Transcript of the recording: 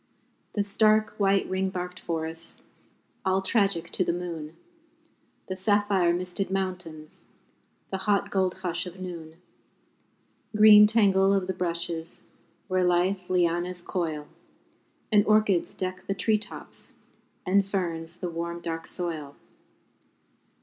The stark white ring barked forests, All tragic to the moon, The sapphire misted mountains, The hot gold hush of noon. Green tangle of the brushes, Where lithe lianas coil, And orchids deck the tree tops And ferns the warm dark soil.